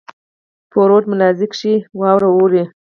په رود ملازۍ کښي واوره اوري.